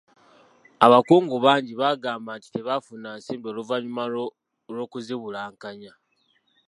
Abakungu bangi bagamba nti tebaafuna nsimbi oluvannyuma lw'okuzibulankanya.